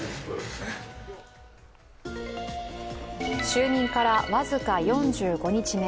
就任から僅か４５日目